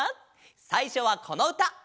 さいしょはこのうた。